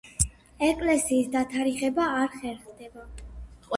ეკლესიის დათარიღება არ ხერხდება.